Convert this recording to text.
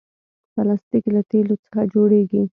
پلاستيک له تیلو څخه جوړېږي.